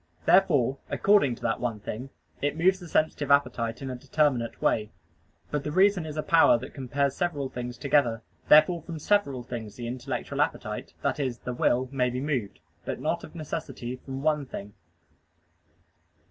Therefore, according to that one thing, it moves the sensitive appetite in a determinate way. But the reason is a power that compares several things together: therefore from several things the intellectual appetite that is, the will may be moved; but not of necessity from one thing.